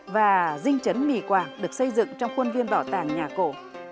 và dinh chấn mì quảng được xây dựng trong khuôn viên bảo tàng nhà cổ